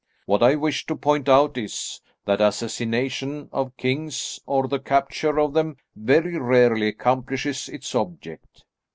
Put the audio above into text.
What I wished to point out is, that assassination of kings or the capture of them very rarely accomplishes its object.